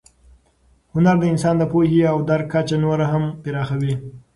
هنر د انسان د پوهې او درک کچه نوره هم پراخوي.